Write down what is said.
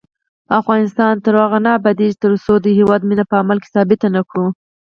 افغانستان تر هغو نه ابادیږي، ترڅو د هیواد مینه په عمل کې ثابته نکړو.